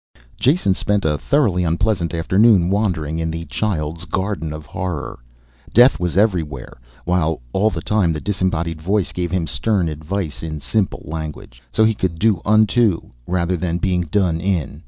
Jason spent a thoroughly unpleasant afternoon wandering in the child's garden of horror. Death was everywhere. While all the time the disembodied voice gave him stern advice in simple language. So he could do unto, rather than being done in.